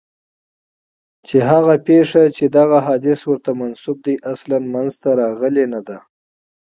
چي هغه پېښه چي دغه حدیث ورته منسوب دی اصلاً منځته راغلې نه ده.